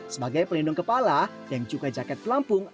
sebagai pelindung kepala dan juga jaket pelampung